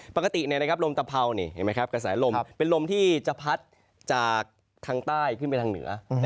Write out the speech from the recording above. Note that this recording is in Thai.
ปกติลมตะเพรากระสายลมเป็นลมที่จะพัดจากทางใต้ขึ้นไปทางเหนือ